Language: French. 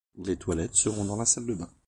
les toilettes seront dans la salle de bain